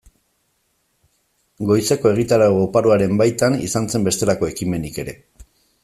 Goizeko egitarau oparoaren baitan, izan zen bestelako ekimenik ere.